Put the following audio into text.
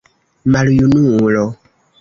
Maljunulo!